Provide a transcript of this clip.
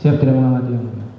siap tidak mengamati